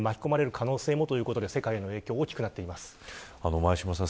前嶋さん